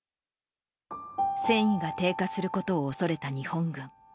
戦意が低下することを恐れた日本軍。